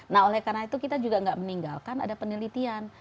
nah oleh karena itu kita juga nggak meninggalkan ada penelitian